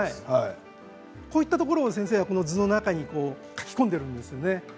こういったところを、先生図の中に描き込んでいるんですよね。